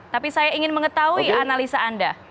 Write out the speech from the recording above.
tapi saya ingin mengetahui analisa anda